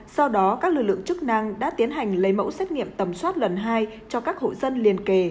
sau đó các lực lượng chức năng đã tiến hành lấy mẫu xét nghiệm tầm soát lần hai cho các hộ dân liên kề